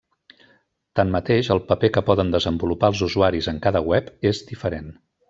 Tanmateix, el paper que poden desenvolupar els usuaris en cada web és diferent.